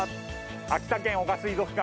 秋田県男鹿水族館